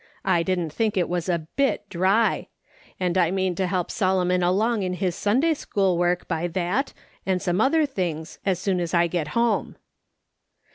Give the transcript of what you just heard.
I didn't think it was a bit dry. And I mean to help Solomon along in his Sunday school work by that, and some other things as soon as I get home.'